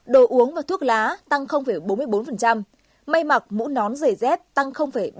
đồ uống và thuốc lá tăng bốn mươi bốn mây mặc mũ nón rể dép tăng ba mươi bảy